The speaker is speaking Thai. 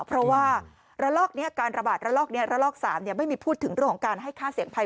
เพราะว่าระลอกนี้การระบาดระลอกนี้ระลอก๓ไม่มีพูดถึงเรื่องของการให้ค่าเสียงภัย